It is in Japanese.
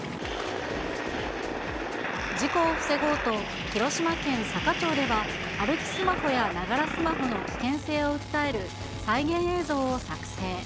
事故を防ごうと、広島県坂町では、歩きスマホやながらスマホの危険性を訴える再現映像を作成。